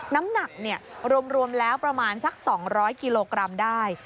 น้ำหนักรวมแล้วประมาณสัก๒๐๐กิโลกรัมได้